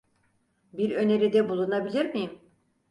Bir öneride bulunabilir miyim?